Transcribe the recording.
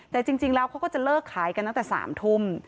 แต่จริงแล้วเขาก็จะเลิกขายกันตั้งแต่๓ทุ่ม